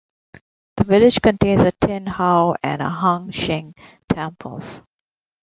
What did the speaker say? The village contains a Tin Hau and a Hung Shing temples.